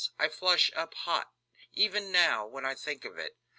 I flush up hot, even now, when I think of it.